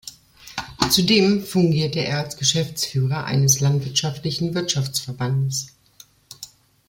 Zudem fungierte er als Geschäftsführer eines landwirtschaftlichen Wirtschaftsverbandes.